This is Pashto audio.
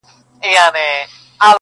نه یې حال نه یې راتلونکی معلومېږي!